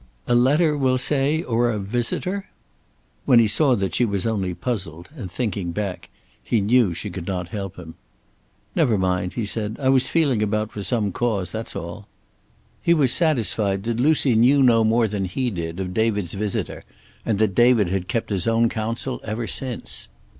"A letter, we'll say, or a visitor?" When he saw that she was only puzzled and thinking back, he knew she could not help him. "Never mind," he said. "I was feeling about for some cause. That's all." He was satisfied that Lucy knew no more than he did of David's visitor, and that David had kept his own counsel ever since.